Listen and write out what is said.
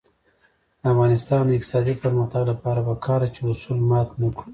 د افغانستان د اقتصادي پرمختګ لپاره پکار ده چې اصول مات نکړو.